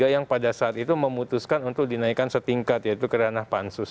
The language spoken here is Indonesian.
yang pada saat itu memutuskan untuk dinaikkan setingkat yaitu kerana pansus